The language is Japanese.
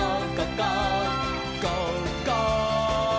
「ゴーゴー！」